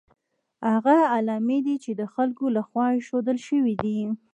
هغه علامې دي چې د خلکو له خوا ایښودل شوي دي.